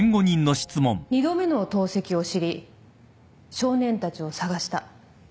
２度目の投石を知り少年たちを捜した。